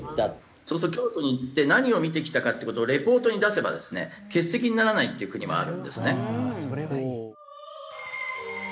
そうすると京都に行って何を見てきたかっていう事をリポートに出せばですね欠席にならないっていう国もあるんですね。